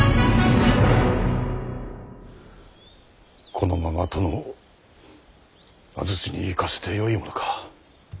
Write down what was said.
このまま殿を安土に行かせてよいものか。